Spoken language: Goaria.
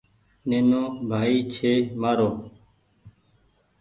نينو ڀآئي ڇي مآرو ۔